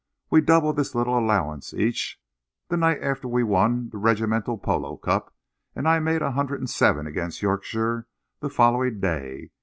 We doubled this little allowance each, the night after we won the regimental polo cup, and I made a hundred and seven against Yorkshire the following day.